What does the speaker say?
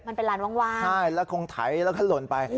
มันเป็นลานว่างใช่แล้วคงไถแล้วก็หล่นไป